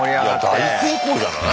大成功じゃない？